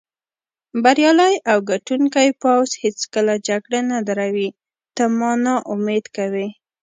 بریالی او ګټوونکی پوځ هېڅکله جګړه نه دروي، ته ما نا امیده کوې.